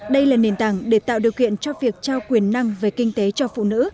đây là nền tảng để tạo điều kiện cho việc trao quyền năng về kinh tế cho phụ nữ